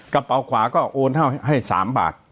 กระเป๋าขวาก็โอนให้๓บาท